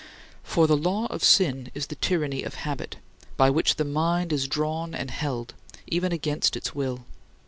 For the law of sin is the tyranny of habit, by which the mind is drawn and held, even against its will.